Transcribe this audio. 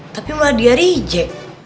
tapi malah dia rije